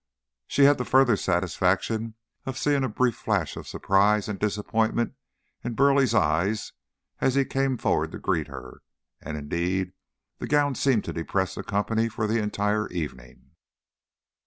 She had the further satisfaction of seeing a brief flash of surprise and disappointment in Burleigh's eyes as he came forward to greet her; and, indeed, the gown seemed to depress the company for the entire evening.